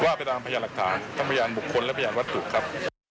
ก็ไปตามการพยายามหลักฐานต้องการพยายามบุคคลและพยายามวัชถุครับ